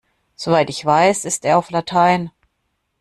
Soweit ich weiß, ist er auf Latein.